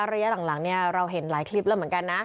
ระยะหลังเราเห็นหลายคลิปแล้วเหมือนกันนะ